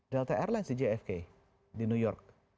delta airlines di jfk di new york